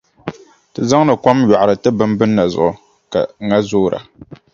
Ti zaŋdi kom yɔɣiri ti bimbinda zuɣu ka ŋa zoora.